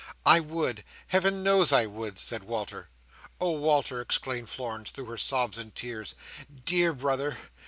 "I would! Heaven knows I would!" said Walter. "Oh, Walter," exclaimed Florence, through her sobs and tears. "Dear brother!